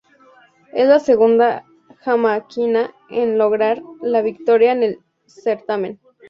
Es la segunda jamaiquina en lograr la victoria en el certamen.